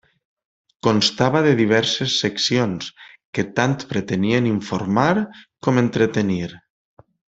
Constava de diverses seccions, que tant pretenien informar com entretenir.